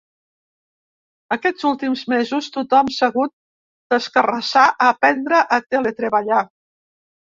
Aquests últims mesos tothom s’ha hagut d’escarrassar a aprendre a teletreballar.